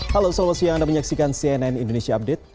halo selamat siang anda menyaksikan cnn indonesia update